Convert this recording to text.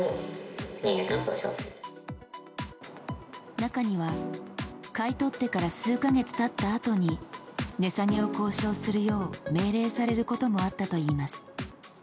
中には買い取ってから数か月経ったあとに値下げを交渉するよう命令されることもあったといいます。